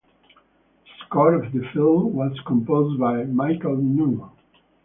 The score of the film was composed by Michael Nyman.